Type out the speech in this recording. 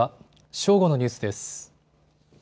正午のニュースです。